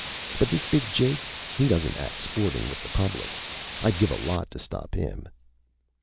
But this Big Jake, he doesn't act sporting with the public. I'd give a lot to stop him."